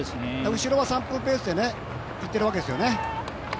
後ろは３分ペースでいってるわけですよね。